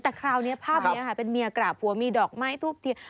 แต่คราวนี้ภาพนี้ค่ะเป็นเมียกราบหัวมีดอกไม้ทูบเทียน